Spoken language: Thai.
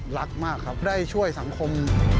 รักมากครับได้ช่วยสังคม